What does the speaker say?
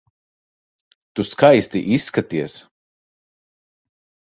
Tu skaisti izskaties.